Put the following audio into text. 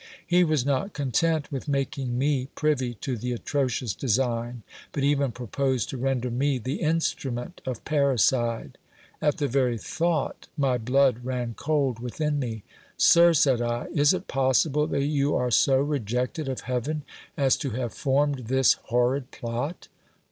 He was not content with making me privy to the atrocious design, but even proposed to render me the instrument of parricide. At the very thought, my blood ran cold within me. Sir, said I, is it possible that you are so rejected of heaven as to have formed this horrid plot?